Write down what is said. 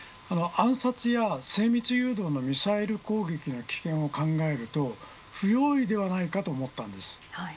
暗殺や精密誘導のミサイル攻撃の危険を考えると不用意ではないかと思ったんです。